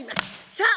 さあ